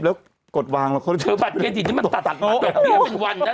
แล้วกดวางแล้วก็วิ่งไว้